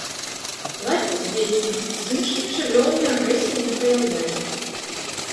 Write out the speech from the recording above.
Ладзіць з дзецьмі, з іншымі жывёламі агрэсіі не праяўляе.